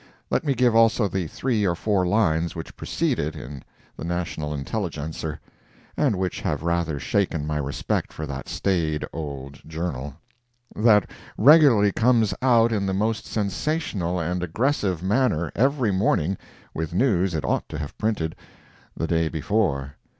Let me give also the three or four lines which precede it in the National Intelligencer, (and which have rather shaken my respect for that staid old journal), that regularly comes out in the most sensational and aggressive manner, every morning, with news it ought to have printed the day before.